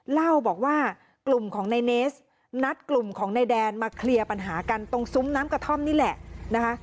เล่าบอกว่ากลุ่มของนายเนสนัดกลุ่มของนายแดนมาเคลียร์ปัญหากันตรงซุ้มน้ำกระท่อมนี่แหละนะคะ